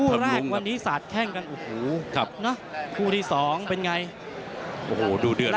ผู้แรกวันนี้สาดแข้งกันครับครับนะครูที่สองเป็นไงโอ้โหดูเดือดเลยครับ